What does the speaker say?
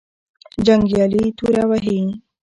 جنګیالي توره وهې.